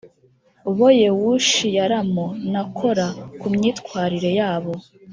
boYewushi Yalamu na Kora kumyitwarire yabo